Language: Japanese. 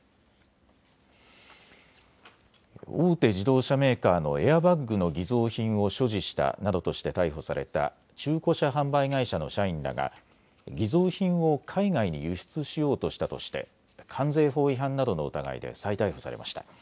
大手自動車メーカーのエアバッグの偽造品を所持したなどとして逮捕された中古車販売会社の社員らが偽造品を海外に輸出しようとしたとして関税法違反などの疑いで再逮捕されました。